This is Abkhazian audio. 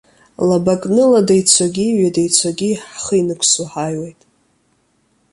Лаба зкны лада ицогьы, ҩада ицогьы, ҳхы инықәсуа ҳааиуеит.